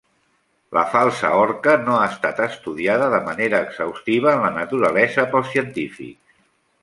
La falsa orca no ha estat estudiada de manera exhaustiva en la naturalesa pels científics.